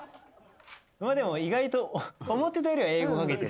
でも意外と思ってたよりは英語書けてる。